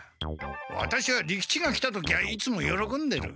ワタシは利吉が来た時はいつもよろこんでる。